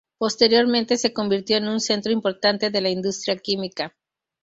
Posteriormente se convirtió en un centro importante de la industria química.